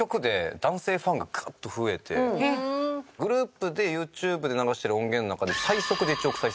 グループでＹｏｕＴｕｂｅで流してる音源の中で。